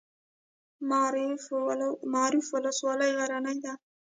معروف ولسوالۍ غرنۍ ده؟